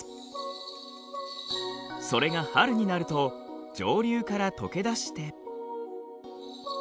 それが春になると上流から解けだして。